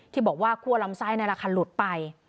ที่บอกว่าคั่วลำไส้ในละครหลุดไป